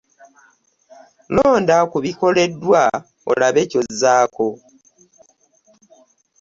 Londa ku bikuweereddwa olabe ky'ozzaako.